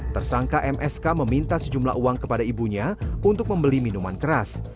tersangka msk meminta sejumlah uang kepada ibunya untuk membeli minuman keras